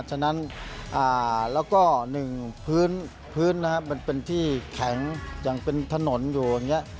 ฉะนั้นแล้วก็หนึ่งพื้นนะครับมันเป็นที่แข็งอย่างเป็นถนนอยู่อย่างนี้